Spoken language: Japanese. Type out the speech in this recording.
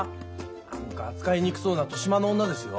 何か扱いにくそうな年増の女ですよ。